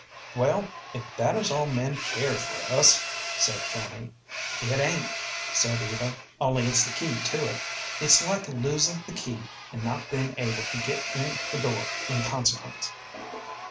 "Well, if that is all men care for us," said Fanny. "It ain't," said Eva, "only it's the key to it. It's like losin' the key and not bein' able to get in the door in consequence."